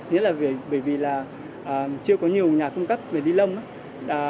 nhất là bởi vì là chưa có nhiều nhà cung cấp về ly lông á